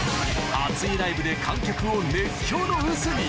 熱いライブで観客を熱狂の渦に！